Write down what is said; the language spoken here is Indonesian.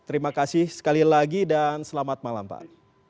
terima kasih sekali lagi dan selamat malam pak